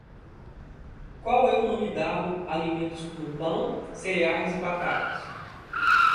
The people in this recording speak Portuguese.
Qual é o nome dado a alimentos como pão, cereais e batatas?